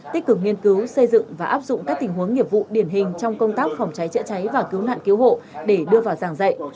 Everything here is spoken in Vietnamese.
tích cực nghiên cứu xây dựng và áp dụng các tình huống nghiệp vụ điển hình trong công tác phòng cháy chữa cháy và cứu nạn cứu hộ để đưa vào giảng dạy